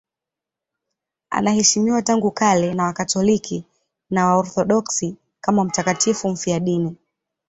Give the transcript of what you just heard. Anaheshimiwa tangu kale na Wakatoliki na Waorthodoksi kama mtakatifu mfiadini.